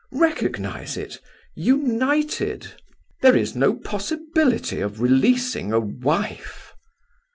Recognize it; united. There is no possibility of releasing a wife!"